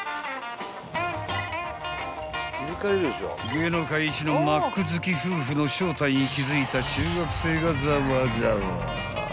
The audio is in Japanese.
［芸能界一のマック好き夫婦の正体に気付いた中学生がざわざわ］